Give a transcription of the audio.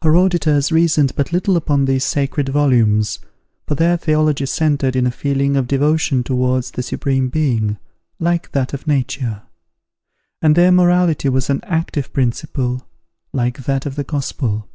Her auditors reasoned but little upon these sacred volumes, for their theology centred in a feeling of devotion towards the Supreme Being, like that of nature: and their morality was an active principle, like that of the Gospel.